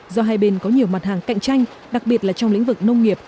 do hai bên có nhiều mặt hàng cạnh tranh đặc biệt là trong lĩnh vực nông nghiệp